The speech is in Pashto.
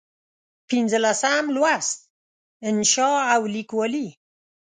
پنځلسم لوست: انشأ او لیکوالي